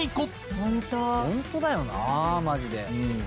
「本当」「ホントだよなマジで」